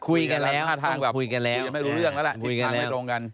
คุยกันแล้วต้องคุยกันแล้วไม่รู้เรื่องแล้วล่ะคุยกันแล้วไม่ตรงกัน